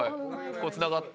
こうつながって。